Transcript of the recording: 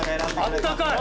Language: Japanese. あったかい！